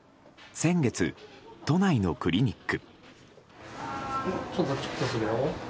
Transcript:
先月、都内のクリニック。